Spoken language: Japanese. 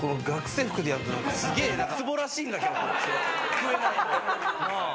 食えないと。